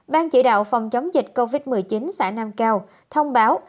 ban chỉ đạo phòng chống dịch covid một mươi chín xã nam cao thông báo